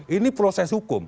ini proses hukum